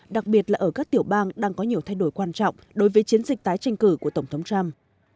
đặc biệt là ở các tiểu bang đang có nhiều thay đổi quan trọng đối với chiến dịch tái tranh cử của tổng thống trump